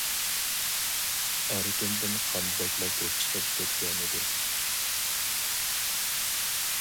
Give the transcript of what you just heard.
ئەركىندىن قان بەكلا كۆپ چىقىپ كەتكەنىدى.